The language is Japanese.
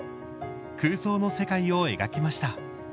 空想の世界を描きました。